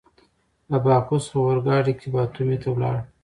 له باکو څخه اورګاډي کې باتومي ته ولاړ.